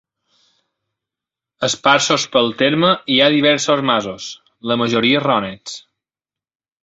Esparsos pel terme hi ha diversos masos, la majoria rònecs.